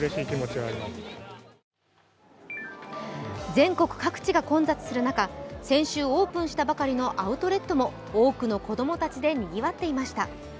全国各地が混雑する中、先週オープンしたばかりのアウトレットも多くの子供たちでにぎわっていました。